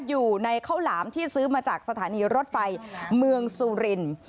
อยู่ในข้าวหลามที่ซื้อมาจากสถานีรถไฟเมืองสุรินทร์